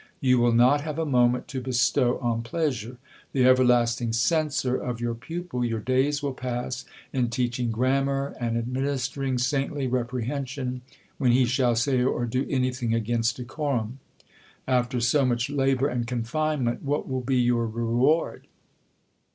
You will not have a moment to bestow on pleasure. The everlasting censor of your pupil, your days will pass in teaching grammar and administer ing saintly reprehension, when he shall say or do anything against decorum. After so much labour and confinement, what will be your reward